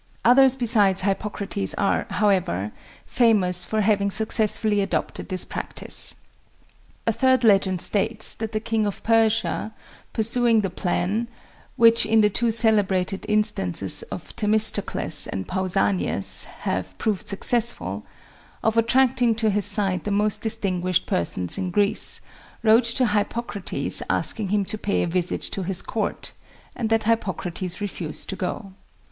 Others besides Hippocrates are, however, famous for having successfully adopted this practice. A third legend states that the King of Persia, pursuing the plan (which in the two celebrated instances of Themistocles and Pausanias had proved successful) of attracting to his side the most distinguished persons in Greece, wrote to Hippocrates asking him to pay a visit to his court, and that Hippocrates refused to go.